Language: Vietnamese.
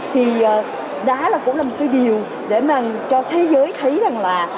thì đó là cũng là một cái điều để mà cho thế giới thấy rằng là